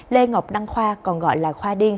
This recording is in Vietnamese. lê ngọc đăng khoa còn gọi là khoa điên